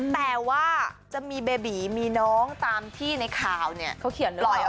แต่ว่าจะมีเบบีมีน้องตามที่ในข่าวเนี่ยเขาเขียนเลย